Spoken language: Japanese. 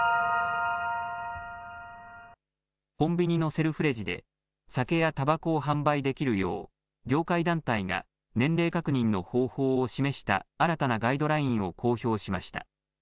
コンビニのセルフレジで、酒やたばこを販売できるよう業界団体が年齢確認の方法を示した新たなガイドラインを公表しました。